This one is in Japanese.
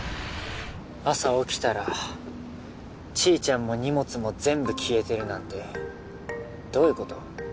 朝起きたらちーちゃんも荷物も全部消えてるなんてどういうこと？